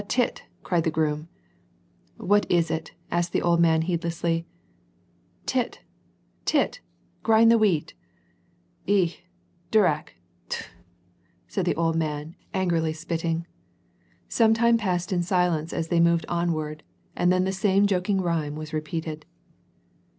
Tit !" cried the groom, '* What is it," asked the old man heedlessly. « Tit ! 'ftt ! grind the wheat !"" E ! dnrak ! tfu ! said the old man, angrily spitting. Some time passed in silence, as they moved onward,, and then the same joking rhyme was repeated.